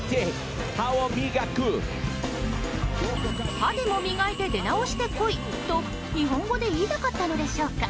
歯でも磨いて出直してこいと日本語で言いたかったのでしょうか。